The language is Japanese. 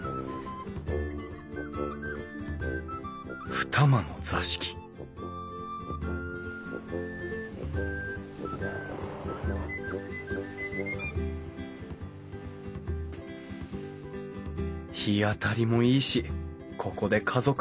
二間の座敷日当たりもいいしここで家族団らんしていたのかな